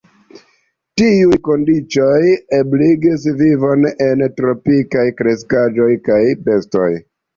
Tiuj kondiĉoj ebligas vivon por tropikaj kreskaĵoj kaj bestoj.